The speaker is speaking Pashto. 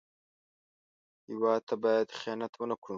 هېواد ته باید خیانت ونه کړو